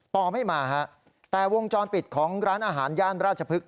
ไม่มาฮะแต่วงจรปิดของร้านอาหารย่านราชพฤกษ